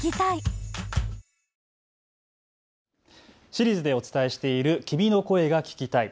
シリーズでお伝えしている君の声が聴きたい。